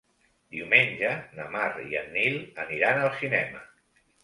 Diumenge na Mar i en Nil aniran al cinema.